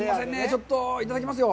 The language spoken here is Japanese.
ちょっといただきますよ。